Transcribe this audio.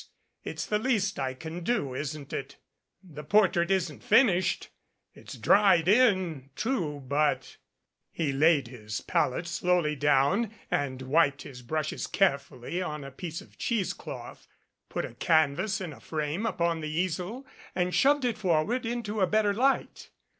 It's the least I can do isn't it? The portrait isn't finished. It's dried in, too but " He laid his palette slowly down and wiped his brushes carefully on a piece of cheese cloth, put a canvas in a frame upon the easel and shoved it forward into a better light.